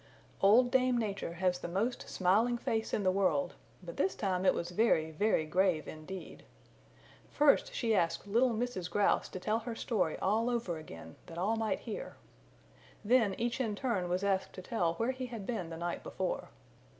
Old Dame Nature has the most smiling face in the world, but this time it was very, very grave indeed. First she asked little Mrs. Grouse to tell her story all over again that all might hear. Then each in turn was asked to tell where he had been the night before.